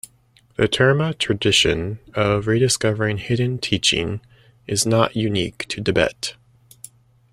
The terma tradition of rediscovering hidden teaching is not unique to Tibet.